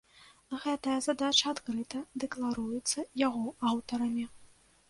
Гэтая задача адкрыта дэкларуецца яго аўтарамі.